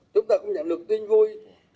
chúng ta cũng nhận được tin vui